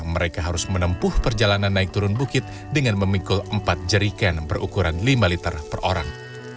mereka harus menempuh perjalanan naik turun bukit dengan memikul empat jeriken berukuran lima liter per orang